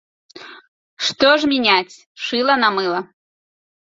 Што ж мяняць шыла на мыла?!